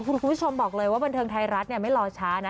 คุณผู้ชมบอกเลยว่าบันเทิงไทยรัฐไม่รอช้านะ